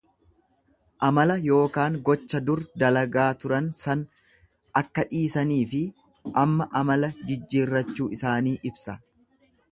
Amala yookaan gocha dur dalagaa turan san akka dhiisaniifi amma amala jijjiirrachuu isaanii ibsa.